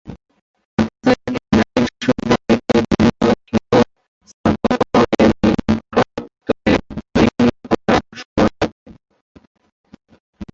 পাকিস্তানের এই নামী বিশ্ববিদ্যালয়টি বিভিন্ন স্নাতক, স্নাতকোত্তর এবং ডক্টরাল স্তরের বিভিন্ন প্রোগ্রাম সরবরাহ করে।